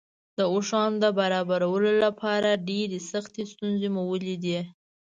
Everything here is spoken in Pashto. د اوښانو د برابرولو لپاره ډېرې سختې ستونزې مو ولیدې.